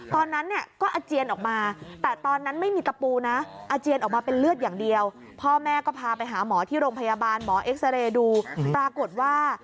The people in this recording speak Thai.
ตอนนั้นก็อาเจียนออกมาแต่ตอนนั้นไม่มีกระปูนะ